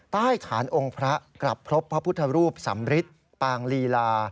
ใต้ฐานองค์พระกลับพบพระพุทธรูปสำริทปางลีลา